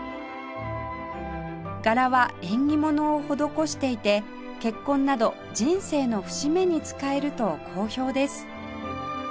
柄は縁起物を施していて結婚など人生の節目に使えると好評です